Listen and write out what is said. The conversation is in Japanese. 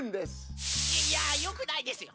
いいやよくないですよ！